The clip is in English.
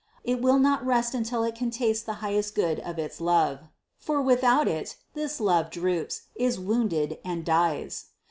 It will not rest until it can taste the highest Good of its love. For without it, this love droops, is wounded and dies.